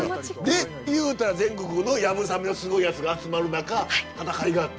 でいうたら全国の流鏑馬のすごいやつが集まる中戦いがあって。